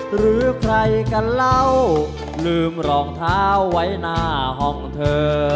หรือใครกันเล่าลืมรองเท้าไว้หน้าห้องเธอ